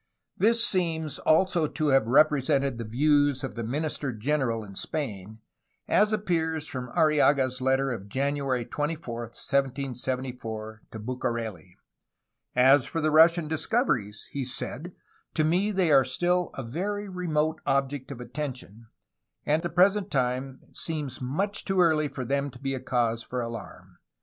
This seems also to have represented the views of the Min ister General in Spain, as appears from Arriaga's letter of January 24, 1774, to Bucareli. "As for the Russian discoveries," he said, "to me they are still a very remote object of attention, and the present time seems much too early for them to be a cause for alarm.